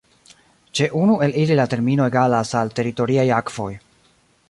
Ĉe unu el ili la termino egalas al teritoriaj akvoj.